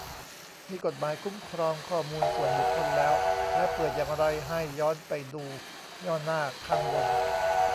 มีกฎหมายคุ้มครองข้อมูลส่วนบุคคลแล้ว และเปิดอย่างไรให้ย้อนไปดูย่อหน้าข้างบน